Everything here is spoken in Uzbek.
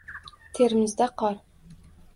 Termizda qor